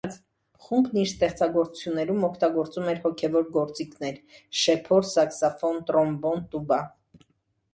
Խումբն իր ստեղծագործություններում օգտագործում է հոգևոր գործիքներ՝ շեփոր, սաքսոֆոն, տրոմբոն, տուբա։